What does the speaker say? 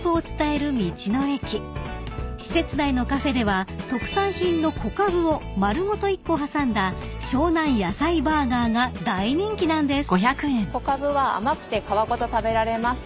［施設内のカフェでは特産品の小かぶを丸ごと１個挟んだしょうなん野菜バーガーが大人気なんです］